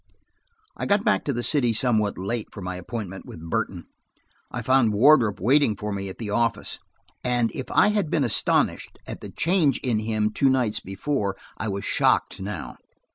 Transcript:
I got back to the city somewhat late for my appointment with Burton. I found Wardrop waiting for me at the office, and if I had been astonished at the change in him two nights before, I was shocked now.